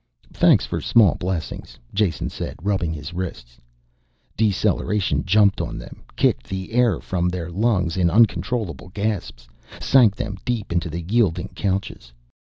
"Thanks for small blessings," Jason said, rubbing his wrists. Deceleration jumped on them, kicked the air from their lungs in uncontrollable gasps, sank them deep into the yielding couches.